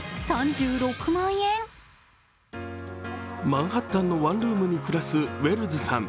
マンハッタンのワンルームに暮らすウェルズさん。